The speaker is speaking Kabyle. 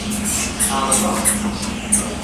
Ɛerḍeɣ.